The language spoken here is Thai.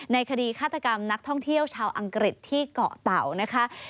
คดีฆาตกรรมนักท่องเที่ยวชาวอังกฤษที่เกาะเต่านะคะ